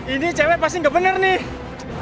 ini cewek pasti nggak bener nih